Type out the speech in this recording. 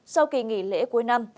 sau kỳ nghỉ lễ cuối năm